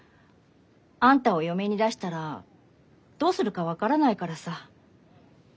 あんたを嫁に出したらどうするか分からないからさ。